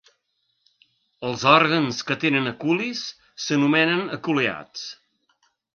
Els òrgans que tenen aculis s'anomenen aculeats.